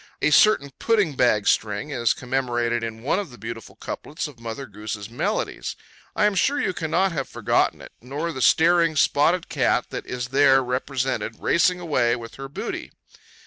A certain pudding bag string is commemorated in one of the beautiful couplets of Mother Goose's Melodies. I am sure you cannot have forgotten it, nor the staring spotted cat that is there represented racing away with her booty.